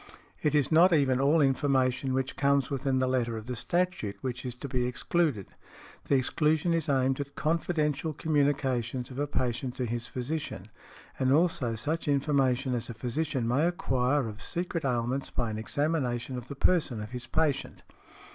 It is not even all information which comes within the letter of the statute which is to be excluded. The exclusion is aimed at confidential communications of a patient to his physician, and also such information as a physician may acquire of secret ailments by an examination of the person of his patient.